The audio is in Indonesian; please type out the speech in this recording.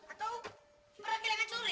atau pernah kehilangan curi